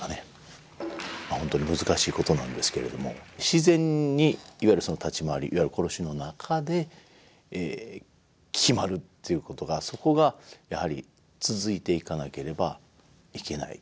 まあ本当に難しいことなんですけれども自然にいわゆるその立ち回りいわゆる殺しの中で決まるっていうことがそこがやはり続いていかなければいけない。